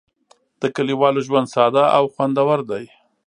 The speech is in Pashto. د کلیوالو ژوند ساده او خوندور دی.